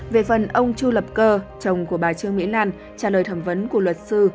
về phần ông chu lập cơ chồng của bà trương mỹ lan trả lời thẩm vấn của luật sư